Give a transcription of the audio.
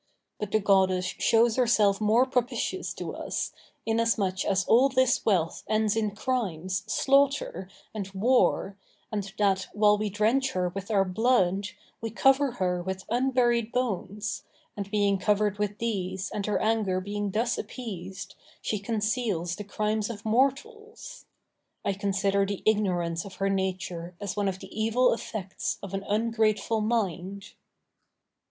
But the Goddess shows herself more propitious to us, inasmuch as all this wealth ends in crimes, slaughter, and war, and that, while we drench her with our blood, we cover her with unburied bones; and being covered with these and her anger being thus appeased, she conceals the crimes of mortals. I consider the ignorance of her nature as one of the evil effects of an ungrateful mind.